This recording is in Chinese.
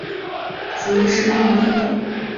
属于食人鱼的一种。